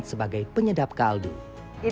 sebagai penyedapkan hidangan